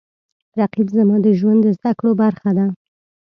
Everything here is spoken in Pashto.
رقیب زما د ژوند د زده کړو برخه ده